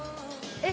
えっ